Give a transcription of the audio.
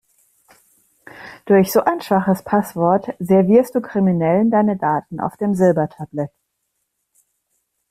Durch so ein schwaches Passwort servierst du Kriminellen deine Daten auf dem Silbertablett.